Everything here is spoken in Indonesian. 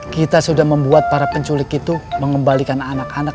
kita sudah membuat para penculik itu mengembalikan anak anak